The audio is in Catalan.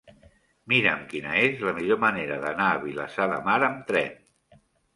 Mira'm quina és la millor manera d'anar a Vilassar de Mar amb tren.